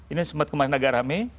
ini sempat kemarin agak rame